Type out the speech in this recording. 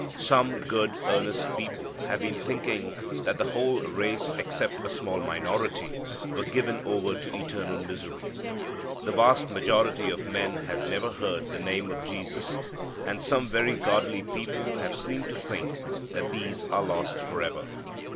Some good, earnest people have been thinking that the whole race except a small minority were given over to eternal misery. The vast majority of men has never heard the name of Jesus. And some very godly people have seemed to think that these are lost forever.